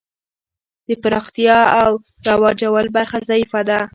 د پراختیا او رواجول برخه ضعیفه ده.